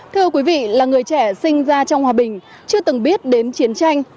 thưa quý vị là người trẻ sinh ra trong hòa bình chưa từng biết đến chiến tranh